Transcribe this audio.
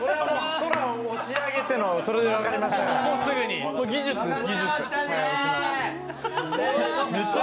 「空を押し上げて」のそれで分かりました技術です、技術。